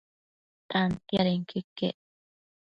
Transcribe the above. Tantiadenquio iquec